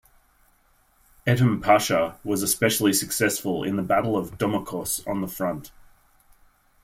Edhem Pasha was especially successful in the Battle of Domokos on the front.